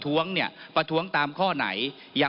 ผมวินิจฉัยแล้วตะกี้นี้ว่าอ่ะ